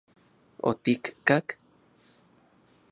¿Otikkak...?